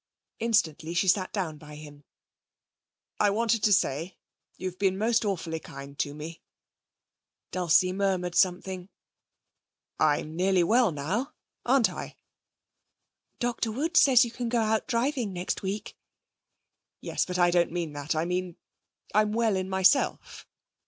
Instantly she sat down by him. 'I wanted to say you've been most awfully kind to me.' Dulcie murmured something. 'I'm nearly well now aren't I?' 'Dr Wood says you can go out driving next week.' 'Yes; but I don't mean that. I mean, I'm well in myself?'